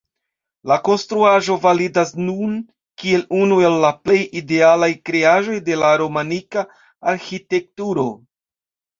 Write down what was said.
La konstruaĵo validas nun kiel unu el la plej idealaj kreaĵoj de romanika arĥitekturo.